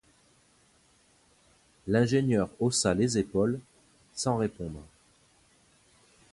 L'ingénieur haussa les épaules, sans répondre.